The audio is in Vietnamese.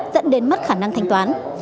dẫn đến mất khả năng thanh toán